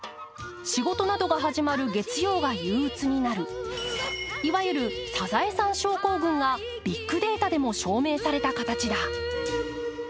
仕事などが始まる月曜が憂鬱になるいわゆるサザエさん症候群がビッグデータでも証明された形だ。